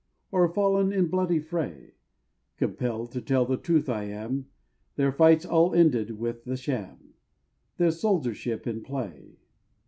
Or fall'n in bloody fray? Compell'd to tell the truth I am, Their fights all ended with the sham, Their soldiership in play.